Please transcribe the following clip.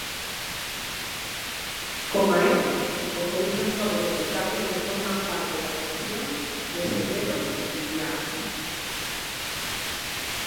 Coma el, os outros nove deputados que forman parte da Comisión de Segredos Oficias.